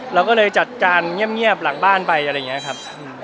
เราก็เลยจัดการเงียบหลังบ้านไปอะไรอย่างนี้ครับ